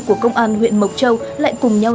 của công an huyện mộc châu lại cùng nhau